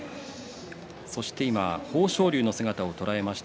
そして今豊昇龍の姿を捉えました。